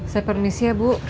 saya permisi ya bu